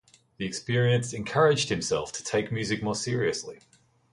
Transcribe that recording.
The experience encouraged himself to take music more seriously.